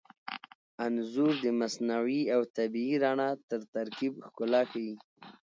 انځور د مصنوعي او طبیعي رڼا تر ترکیب ښکلا ښيي.